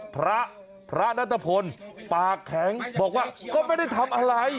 พระพระนัตรพลปากแข็งบอกว่าก็ไม่ได้ทำอะไร